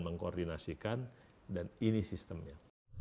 mengkoordinasikan dan ini sistemnya